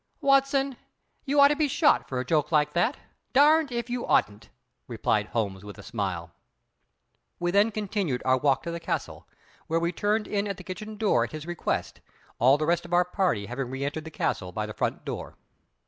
"Watson, you ought to be shot for a joke like that, darned if you oughtn't," replied Holmes with a smile. We then continued our walk to the castle, where we turned in at the kitchen door at his request, all the rest of our party having reëntered the castle by the front door.